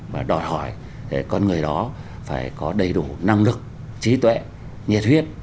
và đòi hỏi con người đó phải có đầy đủ năng lực trí tuệ nhiệt huyết